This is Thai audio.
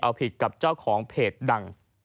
เอาผิดกับเจ้าของเพจดัง